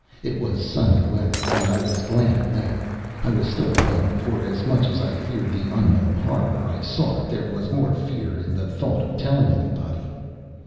It was sunny weather, and I was glad of that. I was still alone, for as much as I feared the unknown horror I sought, there was more fear in the thought of telling anybody.